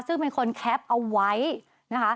ซึ่งเป็นคนแคปเอาไว้นะคะ